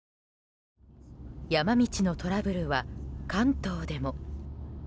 山道のトラブルは関東でも。